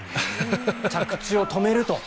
着地を止めると。